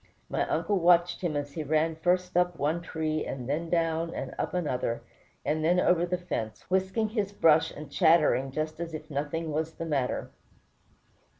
My uncle watched him as he ran first up one tree, and then down and up another, and then over the fence, whisking his brush and chattering just as if nothing was the matter.